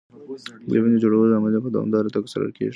د وینې جوړولو عملیه په دوامداره توګه څارل کېږي.